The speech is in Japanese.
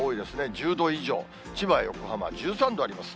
１０度以上、千葉、横浜１３度あります。